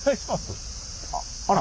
あっあら。